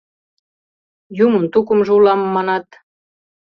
Юмын тукымжо улам, манат.